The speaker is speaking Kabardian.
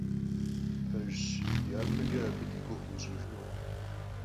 Пэжщ, дяпэкӀэ абы ди гугъу къищӀыжынукъым.